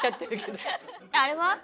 あれは？